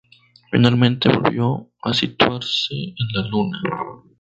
Finalmente volvió a situarse en la Luna.